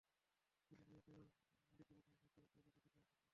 তুলে নিয়ে যাওয়া বিজিবির নায়েক আব্দুর রাজ্জাককে দেশে ফেরত আনার চেষ্টা চলছে।